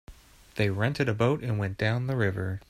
They rented a boat and went down the river.